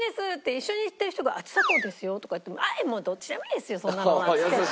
一緒に行ってる人が「ちさ子ですよ」とかって言っても「どっちでもいいですよそんなのは」っつって。